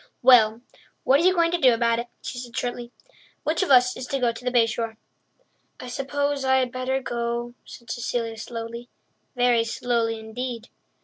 "Well, what are you going to do about it?" she said shortly. "Which of us is to go to the Bay Shore?" "I suppose I had better go," said Cecilia slowly—very slowly indeed.